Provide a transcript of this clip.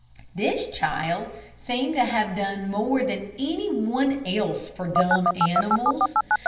This child seemed to have done more than any one else for dumb animals.